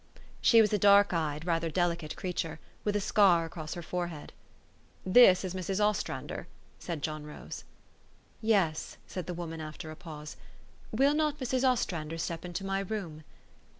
" She was a dark eyed, rather delicate creature, with a scar across her forehead. " This is Mrs. Ostrander," said John Rose. "Yes," said the woman after a pause. "Will not Mrs. Ostrander step into my room?